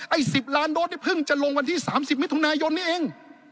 ไอ้๑๐ล้านโดสนี่เพิ่งจะลงวันที่๓๐มิถุนายนนี้เอง